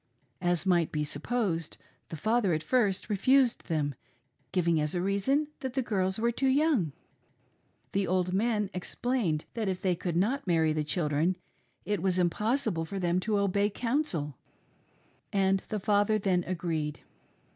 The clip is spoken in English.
As might be supposed, the father at first refused them, giving as a reason that the girls were too young. The old men explained that if they could not marry the children it was impossible for them to "obey counsel," and the father then agreed.